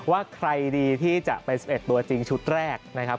ว่าใครดีที่จะเป็น๑๑ตัวจริงชุดแรกนะครับ